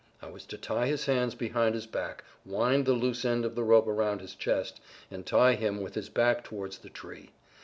I was to tie his hands behind his back, wind the loose end of the rope round his chest, and tie him with his back towards the tree.